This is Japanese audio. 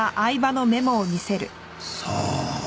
さあ。